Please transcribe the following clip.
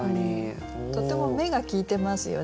とても目が利いてますよね。